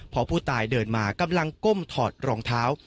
พอผู้ตายเดินมากำลังก้มถอดรองเท้า